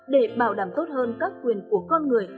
để bảo đảm tốt hơn các quyền của con người